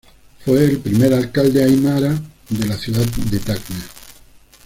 Fue el primer alcalde aymara de la ciudad de Tacna.